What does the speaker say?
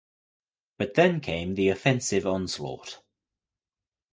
But then came the offensive onslaught.